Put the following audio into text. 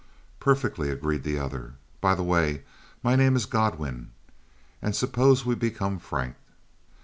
"Perfectly," agreed the other. "By the way, my name is Godwin. And suppose we become frank.